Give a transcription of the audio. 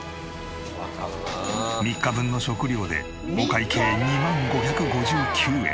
３日分の食料でお会計２万５５９円。